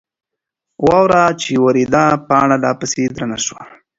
واوره چې وورېده، پاڼه لا پسې درنه شوه.